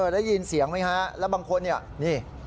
ได้ยินเสียงไหมฮะแล้วบางคนเนี่ยนี่